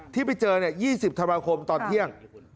ที่ไปเจอ๒๐ธันวาคมตอนเที่ยง